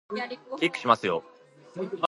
キックしますよ